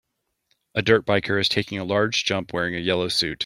A dirt biker is taking a large jump wearing a yellow suit.